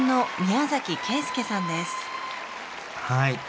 ．はい。